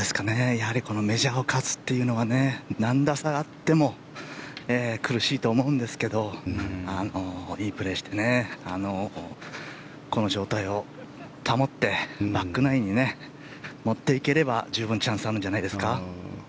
やはり、このメジャーを勝つというのは何打差あっても苦しいと思うんですけどいいプレーしてこの状態を保ってバックナインへ持っていければ十分、チャンスはあるんじゃないですか。